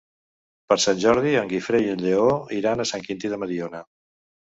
Per Sant Jordi en Guifré i en Lleó iran a Sant Quintí de Mediona.